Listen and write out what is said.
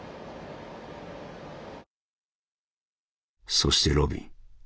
「そしてロビン。